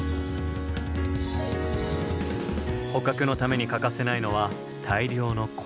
捕獲のために欠かせないのは大量の氷。